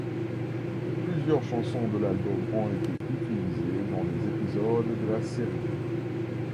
Plusieurs chansons de l'album ont été utilisées dans des épisodes de la série.